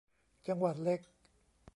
จังหวัดเล็ก